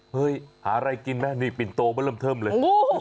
หาอะไรกินไหมนี่ปิ่นโตมาเริ่มเทิมเลย